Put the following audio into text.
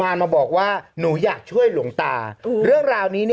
โอเคโอเคโอเคโอเคโอเคโอเคโอเค